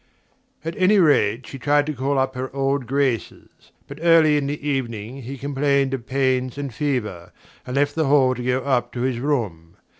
At any rate, she tried to call up her old graces; but early in the evening he complained of pains and fever, and left the hall to go up to his room.